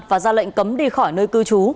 và ra lệnh cấm đi khỏi nơi cư trú